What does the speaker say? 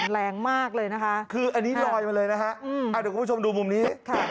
แรงมากเลยนะคะคืออันนี้ลอยมาเลยนะฮะเดี๋ยวคุณผู้ชมดูมุมนี้